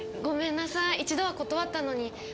ごめんなさい一度は断ったのに。